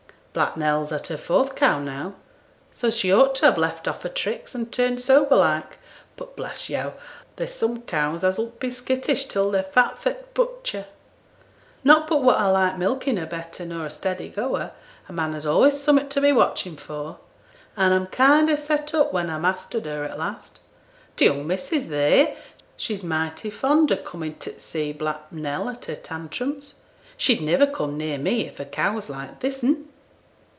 'Black Nell's at her fourth calf now, so she ought to ha' left off her tricks and turned sober like. But bless yo', there's some cows as 'll be skittish till they're fat for t' butcher. Not but what a like milking her better nor a steady goer; a man has allays summat to be watchin' for; and a'm kind o' set up when a've mastered her at last. T' young missus theere, she's mighty fond o' comin' t' see Black Nell at her tantrums. She'd niver come near me if a' cows were like this'n.'